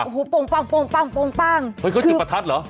โอ้โหปุ่งปังเพื่อยังไทยประทัดเหรอ